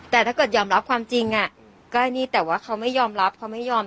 แต่ถ้าเกิดยอมรับความจริงอ่ะก็อันนี้แต่ว่าเขาไม่ยอมรับเขาไม่ยอม